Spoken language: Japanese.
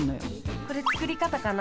これ作り方かな。